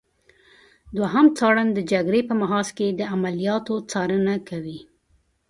دوهم څارن د جګړې په محاذ کې د عملیاتو څارنه کوي.